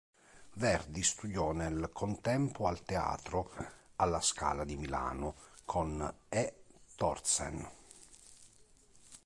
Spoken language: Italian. Verdi”, studiò nel contempo al Teatro alla Scala di Milano con E. Torsten.